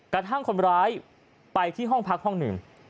กระทั่งคนร้ายไปที่ห้องพักห้องหนึ่ง